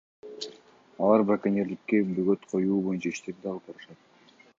Алар браконьерликке бөгөт коюу боюнча иштерди да алып барышат.